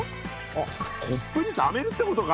あっコップにためるってことか。